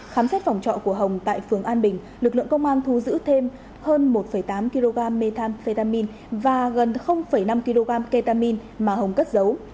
khám xét phòng trọ của hồng tại phường an bình lực lượng công an thu giữ thêm hơn một tám kg methamphetamin và gần năm kg ketamin mà hồng cất giấu